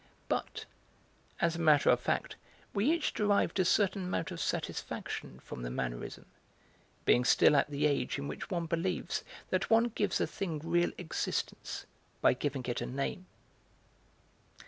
But, as a matter of fact, we each derived a certain amount of satisfaction from the mannerism, being still at the age in which one believes that one gives a thing real existence by giving it a name.